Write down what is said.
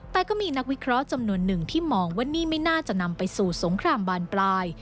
แต่ก็มีนักวิเคราะห์จำนวนหนึ่งที่มองว่านี่ไม่น่าจะนำไปสู่สงครามบานปลาย